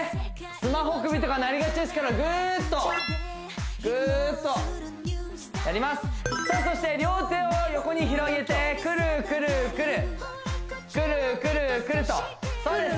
スマホ首とかなりがちですからぐーっとぐーっとやりますさあそして両手を横に広げてくるくるくるくるくるくるとそうです